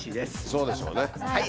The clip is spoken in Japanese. そうでしょうね。